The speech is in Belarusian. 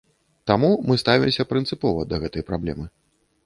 Таму мы ставімся прынцыпова да гэтай праблемы.